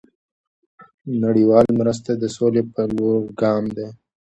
دเงินบาทไทย نړیوال مرسته د سولې په لور ګام دی.